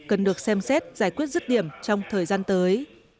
cần được xem xét giải quyết rứt điểm trong thời gian tới